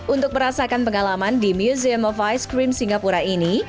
untuk merasakan pengalaman di museum of ice cream singapura ini